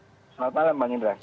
selamat malam pak nidra